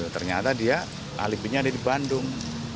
ternyata dia alibinya ada di bandung